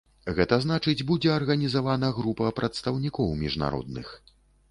Гэта значыць будзе арганізавана група прадстаўнікоў міжнародных.